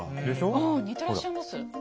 うん似てらっしゃいます。